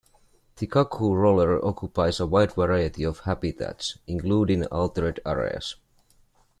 The cuckoo roller occupies a wide variety of habitats, including altered areas.